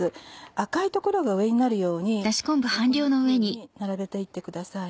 赤い所が上になるようにこんなふうに並べていってください。